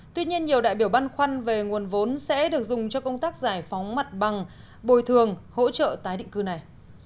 tuy nhiên nhiều đại biểu băn khoăn về nguồn vốn sẽ được dùng cho công tác giải phóng mặt bằng bồi thường hỗ trợ tái định cư này